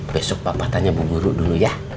besok papa tanya ibu guru dulu ya